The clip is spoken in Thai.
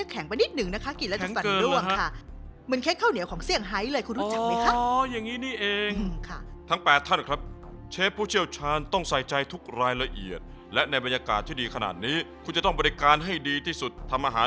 ข้าวเหนียวนึงเสร็จแล้วแล้วค่ะข้าวเหนียวล่ะอยู่ไหนอ่ะ